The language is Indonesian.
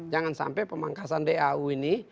jangan sampai pemangkasan dau ini